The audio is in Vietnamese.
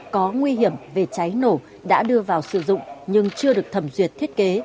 có nguy hiểm về cháy nổ đã đưa vào sử dụng nhưng chưa được thẩm duyệt thiết kế